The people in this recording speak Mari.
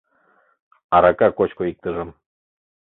Арака кочко иктыжым!